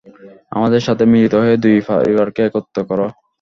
আমার সাথে মিলিত হয়ে দুই পরিবারকে একত্র কর।